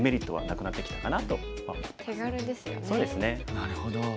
なるほど。